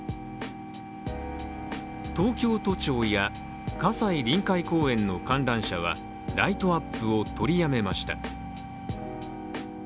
東京都庁や葛西臨海公園の観覧車はライトアップをとりやめました。